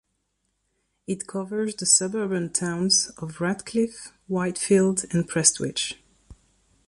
It covers the suburban towns of Radcliffe, Whitefield and Prestwich.